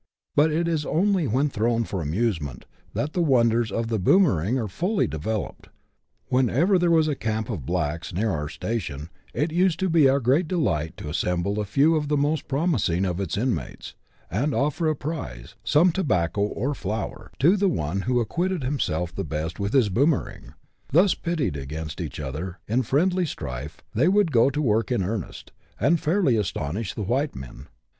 But it is only when thrown for amusement that the wonders of the boomering are fully developed. Whenever there was a CHAP. X.] THE BOOMERING. Ill camp of blacks near our station, it used to be our great delight to assemble a few of the most promising of its inmates, and offer a prize, some tobacco or flour, to the one who acquitted himself the best with his boomering ; thus pitted against each other in friendly strife, they would go to work in earnest, and fairly astonish the white men.